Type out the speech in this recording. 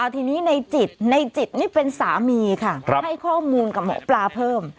ทีนี้ในจิตในจิตนี่เป็นสามีค่ะให้ข้อมูลกับหมอปลาเพิ่ม